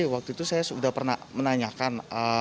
waktu itu saya sudah pernah menanyakan